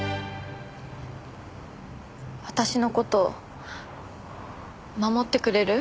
私の事守ってくれる？